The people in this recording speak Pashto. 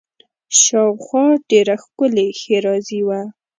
شاوخوا ډېره ښکلې ښېرازي وه.